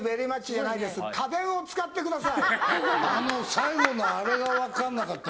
最後のあれが分からなかった。